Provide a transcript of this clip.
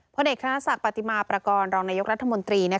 พศปฏิมาปรากรรองนายกรัฐมนตรี